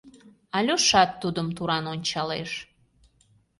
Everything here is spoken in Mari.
Альошат тудым туран ончалеш.